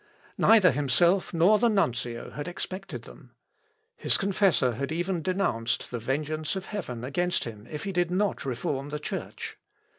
Neither himself nor the nuncio had expected them. His confessor had even denounced the vengeance of Heaven against him if he did not reform the Church.